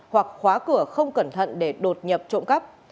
hoặc khóa cửa không cẩn thận để đột nhập trộm cắp